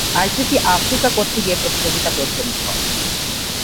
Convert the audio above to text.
ICC Africa কর্তৃক এ প্রতিযোগিতা পরিচালিত হবে।